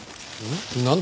ん？